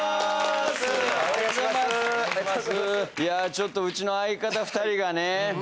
ちょっとうちの相方２人がね